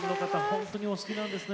本当にお好きなんですね